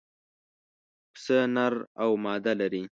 پسه نر او ماده لري.